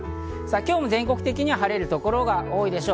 今日も全国的に晴れる所が多いでしょう。